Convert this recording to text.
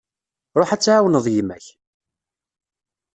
Ruḥ ad tɛawneḍ gma-k.